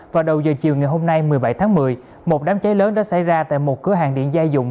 vào đầu giờ chiều ngày hôm nay một mươi bảy tháng một mươi một đám cháy lớn đã xảy ra tại một cửa hàng điện gia dụng